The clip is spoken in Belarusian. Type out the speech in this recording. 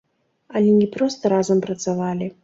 Але не проста разам працавалі.